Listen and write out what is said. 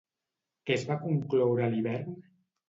Què es va concloure a l'hivern?